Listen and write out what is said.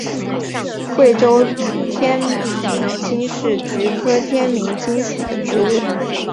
贵州天名精是菊科天名精属的植物。